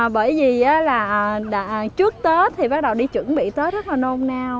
bởi vì trước tết thì bắt đầu đi chuẩn bị tết rất là nôn nao